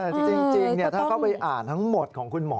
จริงเพราะเมื่อเกิดเขาไปอ่านทั้งหมดของคุณหมอ